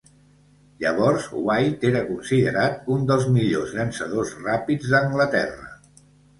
Llavors, White era considerat un dels millors llançadors ràpids d'Anglaterra.